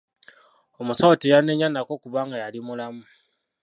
Omusawo tiyanyeenya nako kubanga yali mulamu.